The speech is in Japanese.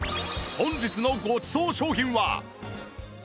本日のごちそう商品は